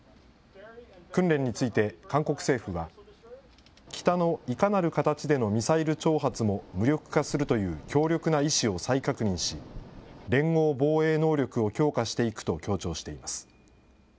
訓練について韓国政府は、北のいかなる形でのミサイル挑発も無力化するという強力な意志を再確認し、連合防衛能力を強化していくと強調しています。